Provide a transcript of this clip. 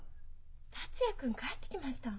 達也君帰ってきました。